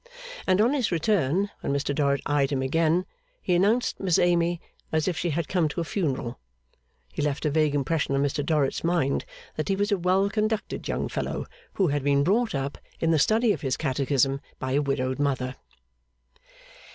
And as on his return when Mr Dorrit eyed him again he announced Miss Amy as if she had come to a funeral, he left a vague impression on Mr Dorrit's mind that he was a well conducted young fellow, who had been brought up in the study of his Catechism by a widowed mother.